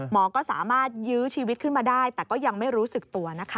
ก็สามารถยื้อชีวิตขึ้นมาได้แต่ก็ยังไม่รู้สึกตัวนะคะ